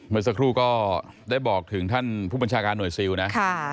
เมื่อสักครู่ก็ได้บอกถึงท่านผู้บัญชาการหน่วยซิลนะ